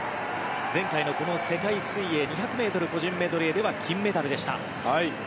前回の世界水泳２００ｍ個人メドレーでは金メダルでした。